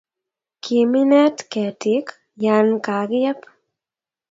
Kiminet ketik yan ka kiyep